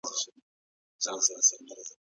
ایا نوي کروندګر خندان پسته اخلي؟